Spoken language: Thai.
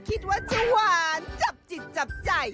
คิดว่าจะหวานจับจิตจับใจ